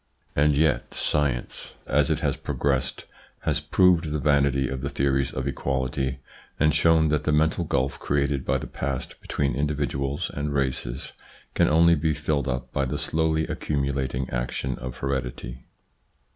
And yet science, as it has progressed, has proved the vanity of the theories of equality and shown that the mental gulf created by the past between indi viduals and races can only be filled up by the slowly accumulating action of heredity.